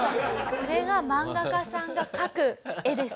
これが漫画家さんが描く絵です。